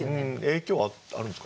影響あるんですかね？